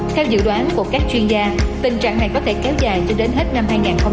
theo dự đoán của các chuyên gia tình trạng này có thể kéo dài cho đến hết năm hai nghìn hai mươi